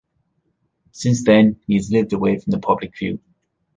Since then, he has lived away from the public view.